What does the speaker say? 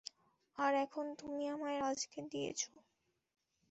আর এখন, তুমি আমায় রাজকে দিয়েছো।